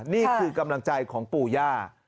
นี่คือกำลังใจของปู่ย่า